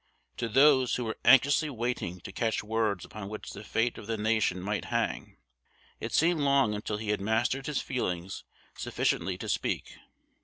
To those who were anxiously waiting to catch words upon which the fate of the nation might hang, it seemed long until he had mastered his feelings sufficiently to speak.